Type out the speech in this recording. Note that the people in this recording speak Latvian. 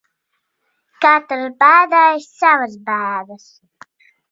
Katrs bēdājas savas bēdas.